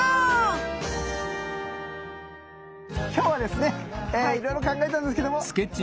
今日はですねいろいろ考えたんですけどこちらハマボッス。